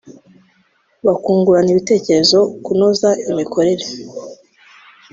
bakungurana ibitekerezo ku kunoza imikorere